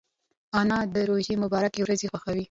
انا د روژې مبارکې ورځې خوښوي